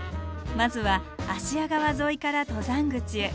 まずは芦屋川沿いから登山口へ。